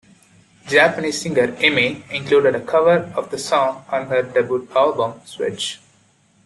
Japanese singer Immi included a cover of the song on her debut album "Switch".